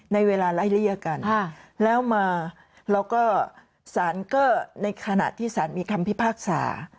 ในเวลาไล่เลี่ยกันแล้วมาแล้วก็สารก็ในขณะที่สารมีคำพิพากษา